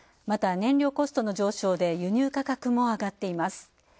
また燃料コストの上昇で輸入価格も上がっています。